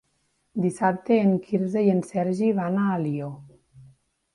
Dissabte en Quirze i en Sergi van a Alió.